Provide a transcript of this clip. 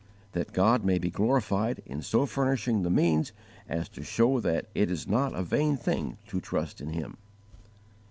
That God may be glorified in so furnishing the means as to show that it is not a vain thing to trust in Him.